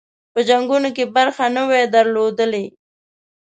په جنګونو کې برخه نه وي درلودلې.